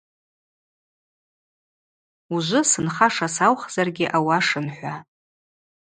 Ужвы сынхаша саухзаргьи ауашын – хӏва.